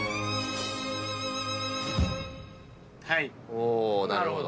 おなるほど。